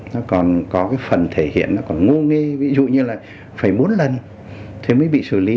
nó còn có cái phần thể hiện nó còn ngô nghi ví dụ như là phải bốn lần thì mới bị xử lý